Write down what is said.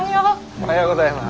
おはようございます。